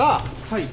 はい。